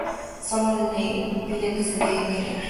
Sólo le pide que se deje querer.